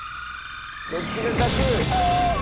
どっちが勝つ？